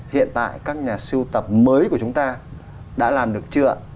hiện tại các nhà siêu tập mới của chúng ta đã làm được chưa